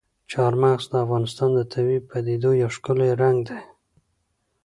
چار مغز د افغانستان د طبیعي پدیدو یو ښکلی رنګ دی.